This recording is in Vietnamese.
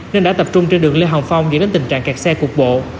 nên đã tập trung trên đường lê hồng phong để đến tình trạng cạt xe cuộc bộ